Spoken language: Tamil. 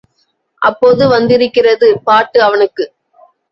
அப்போது வந்திருக்கிறது பாட்டு அவனுக்கு.